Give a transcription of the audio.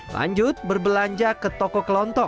lanjut berbelanja ke toko kelontong